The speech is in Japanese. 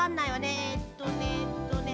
えっとねえっとね